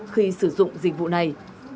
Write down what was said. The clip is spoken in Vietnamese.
khi sử dụng dịch vụ này